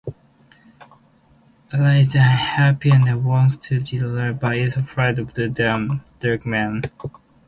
Ella is unhappy and wants to leave, but is afraid of the "Dark Men".